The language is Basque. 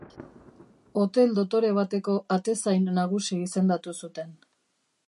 Hotel dotore bateko atezain nagusi izendatu zuten.